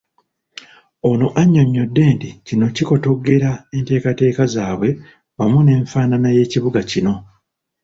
Ono annyonnyodde nti kino kikotoggera enteekateeka zaabwe wamu n'enfaanana y'ekibuga kino.